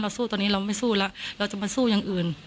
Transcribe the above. สู้ตอนนี้เราไม่สู้แล้วเราจะมาสู้อย่างอื่น